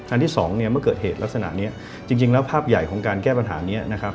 ที่สองเนี่ยเมื่อเกิดเหตุลักษณะนี้จริงแล้วภาพใหญ่ของการแก้ปัญหานี้นะครับ